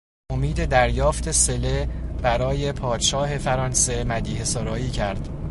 به امید دریافت صله برای پادشاه فرانسه مدیحهسرایی کرد.